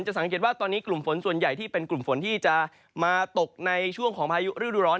สังเกตว่าตอนนี้กลุ่มฝนส่วนใหญ่ที่เป็นกลุ่มฝนที่จะมาตกในช่วงของพายุฤดูร้อน